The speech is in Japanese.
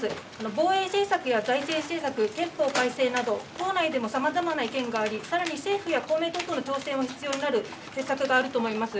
防衛政策や財政政策、憲法改正など、党内でもさまざまな意見があり、さらに政府や公明党との調整が必要である政策があると思います。